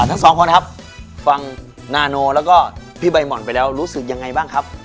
ทั้งสองคนครับฟังนาโนแล้วก็พี่ใบห่อนไปแล้วรู้สึกยังไงบ้างครับ